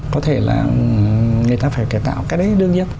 có thể là người ta phải cải tạo cái đấy đương nhiên